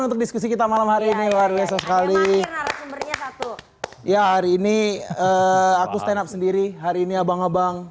untuk diskusi kita malam hari ini hari ini ya hari ini aku stand up sendiri hari ini abang abang